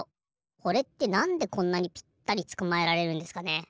これってなんでこんなにぴったりつかまえられるんですかね？